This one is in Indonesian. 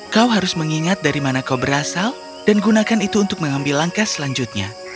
kau harus mengingat dari mana kau berasal dan gunakan itu untuk mengambil langkah selanjutnya